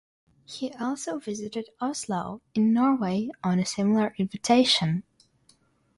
He also visited Oslo, in Norway on a similar invitation.